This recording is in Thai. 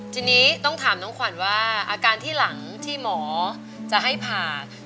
ทีนี้ต้องถามน้องขวัญว่าอาการที่หลังที่หมอจะให้ผ่า